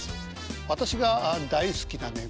私が大好きなね